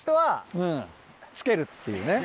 うん着けるっていうね。